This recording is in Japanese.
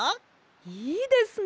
いいですね！